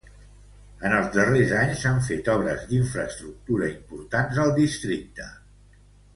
En els darrers anys s'han fet obres d'infraestructura importants al districte.